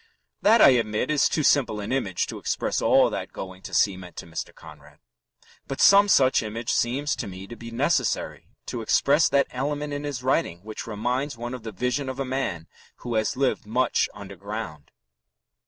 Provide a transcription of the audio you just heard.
That, I admit, is too simple an image to express all that going to sea meant to Mr. Conrad. But some such image seems to me to be necessary to express that element in his writing which reminds one of the vision of a man who has lived much underground.